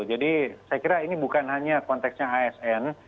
jadi saya kira ini bukan hanya konteksnya asn